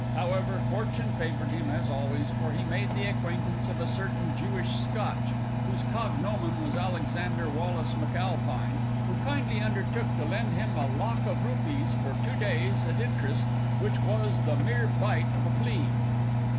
However, fortune favoured him, as always, for he made the acquaintance of a certain Jewish Scotch, whose cognomen was Alexander Wallace McAlpine, and who kindly undertook to lend him a lakh of rupees for two days at interest which was the mere bite of a flea.